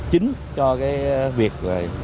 chính cho cái việc